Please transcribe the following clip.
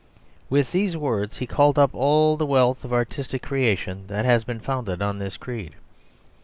With these words He called up all the wealth of artistic creation that has been founded on this creed.